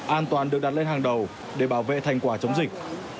an toàn được đặt lên hàng đầu để bảo vệ thành quả chống dịch